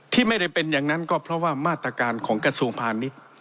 ที่ไม่ได้เป็นอย่างนั้นก็เพราะว่ามาตรการของกระทรวงพาณิชย์